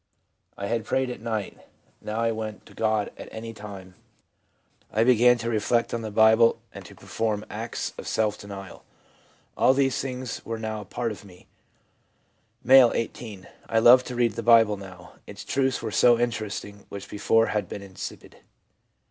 I had prayed at night ; now I went to God at any time. I began to reflect on the Bible and to perform acts of 125 10 126 THE PSYCHOLOGY OF RELIGION self denial. All these things were now a part of me.' M., 1 8. ' I loved to read the Bible now. Its truths were so interesting which before had been insipid.'